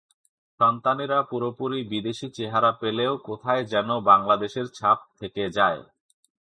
সন্তানেরা পুরোপুরি বিদেশি চেহারা পেলেও কোথায় যেন বাংলাদেশের ছাপ থেকে যায়।